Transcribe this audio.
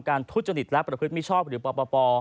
การทุจจนิตและประคลิปไม่ชอบหรือปปป